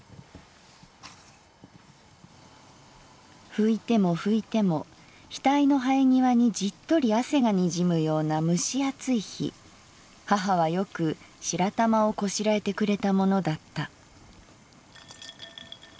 「拭いても拭いても額のはえ際にジットリ汗がにじむような蒸し暑い日母はよく白玉をこしらえてくれたものだった」。